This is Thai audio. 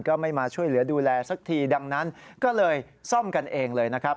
ไม่มาช่วยเหลือดูแลสักทีดังนั้นก็เลยซ่อมกันเองเลยนะครับ